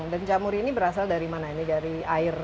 jamur ini berasal dari mana ini dari air